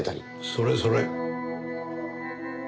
それそれ。